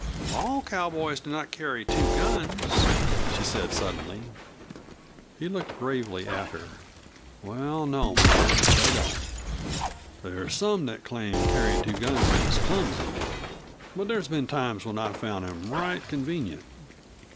"All cowboys do not carry two guns," she said suddenly. He looked gravely at her. "Well, no, ma'am, they don't. There's some that claim carryin' two guns is clumsy. But there's been times when I found them right convenient."